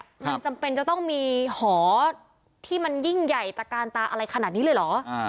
มันจำเป็นจะต้องมีหอที่มันยิ่งใหญ่ตะกานตาอะไรขนาดนี้เลยเหรอ